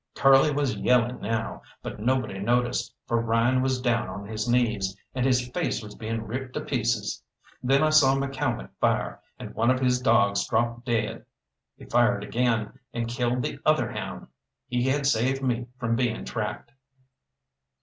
Curly was yelling now, but nobody noticed, for Ryan was down on his knees, and his face was being ripped to pieces. Then I saw McCalmont fire, and one of his dogs dropped dead. He fired again, and killed the other hound. He had saved me from being tracked.